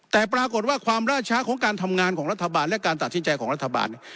แต่ปรากฏว่าความล่าช้าของการทำงานของรัฐบาลและการตัดสินใจของรัฐบาลเนี่ย